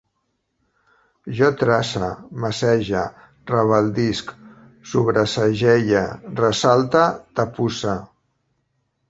Jo trace, macege, rebaldisc, sobresegelle, ressalte, tapusse